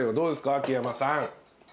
秋山さん。